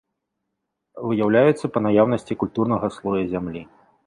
Выяўляюцца па наяўнасці культурнага слоя зямлі.